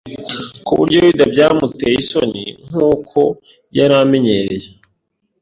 ku buryo Yuda byamutcye isoni; nk’uko yari amenyereye,